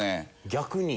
逆に？